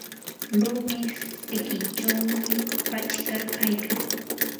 rumi sikinchawmi pachka kaykan.